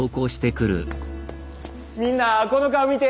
みんなこの顔見て。